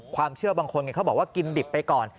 ความเชื่อบางคนเขาบอกว่ากินดิบไปก่อน